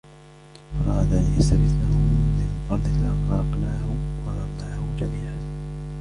فأراد أن يستفزهم من الأرض فأغرقناه ومن معه جميعا